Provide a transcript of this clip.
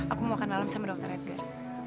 aku mau makan malam sama dokter edgar